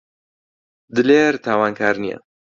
دلێر تاوانکار نییە.